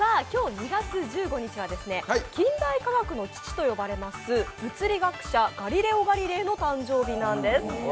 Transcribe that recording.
今日２月１５日は近代科学の父と呼ばれます物理学者ガリレオ・ガリレイの誕生日なんです。